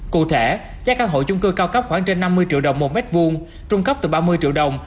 cụ thể giá căn hộ chung cư cao cấp khoảng trên năm mươi triệu đồng một mét vuông trung cấp từ ba mươi triệu đồng